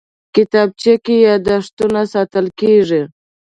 کتابچه کې یادښتونه ساتل کېږي